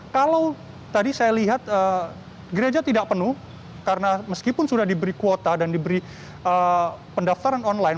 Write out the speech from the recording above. kalau tadi saya lihat gereja tidak penuh karena meskipun sudah diberi kuota dan diberi pendaftaran online